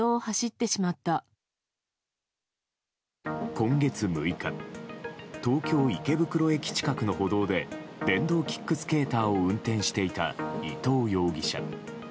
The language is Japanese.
今月６日東京・池袋駅近くの歩道で電動キックスケーターを運転していた伊藤容疑者。